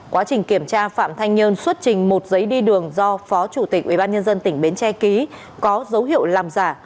quá trình kiểm tra phạm thanh nhơn xuất trình một giấy đi đường do phó chủ tịch ubnd tỉnh bến tre ký có dấu hiệu làm giả